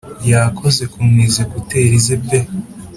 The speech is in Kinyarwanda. Yakoze kuniza ekuteri ze pe